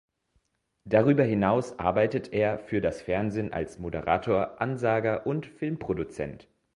Darüber hinaus arbeitet er für das Fernsehen als Moderator, Ansager und Filmproduzent.